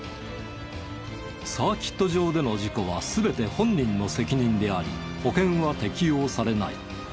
サーキット場での事故は全て本人の責任であり保険は適用されない。